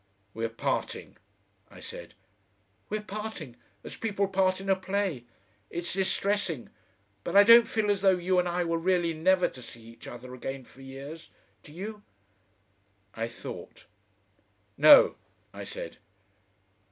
"We're parting," I said. "We're parting as people part in a play. It's distressing. But I don't feel as though you and I were really never to see each other again for years. Do you?" I thought. "No," I said.